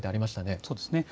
そうですね。